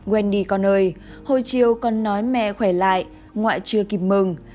wendy con ơi hồi chiều con nói mẹ khỏe lại ngoại chưa kịp mừng